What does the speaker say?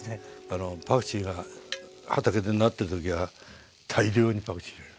パクチーが畑でなってる時は大量にパクチー入れる。